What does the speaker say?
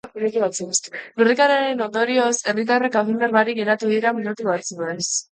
Lurrikararen ondorioz herritarrak argindar barik geratu dira minutu batzuez.